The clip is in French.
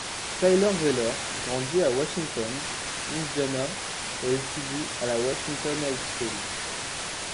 Tyler Zeller grandit à Washington, Indiana et étudie à la Washington Highschool.